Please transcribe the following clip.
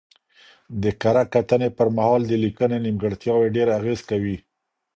د کره کتنې پر مهال د لیکنې نیمګړتیاوې ډېر اغېز کوي.